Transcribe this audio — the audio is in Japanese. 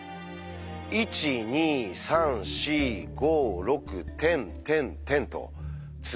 １２３４５６てんてんてんと続く数。